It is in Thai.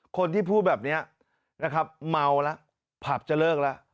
คนที่พูดแบบนี้นะครับเมาแล้วผับจะเลิกแล้ว